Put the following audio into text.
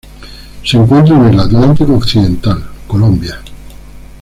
Se encuentra en el Atlántico occidental: Colombia.